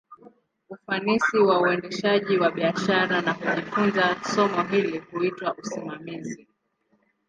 Ufanisi wa uendeshaji wa biashara, na kujifunza somo hili, huitwa usimamizi.